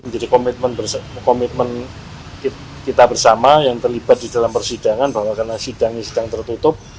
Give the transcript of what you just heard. jadi komitmen kita bersama yang terlibat di dalam persidangan bahwa karena sidangnya sidang tertutup